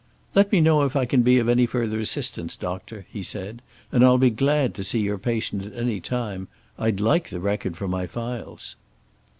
"Let me know if I can be of any further assistance, Doctor," he said. "And I'll be glad to see your patient at any time. I'd like the record for my files."